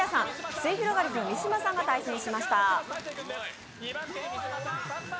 すゑひろがりずの三島さんが対戦しました。